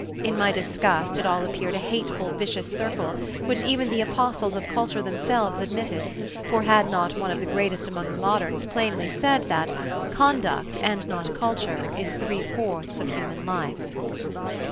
In my disgust it all appeared a hateful, vicious circle which even the apostles of culture themselves admitted, for had not one of the greatest among the moderns plainly said that "conduct, and not culture is three fourths of human life."